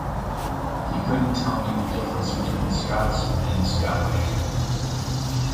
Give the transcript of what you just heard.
He couldn't tell me the difference between Scots and Scottish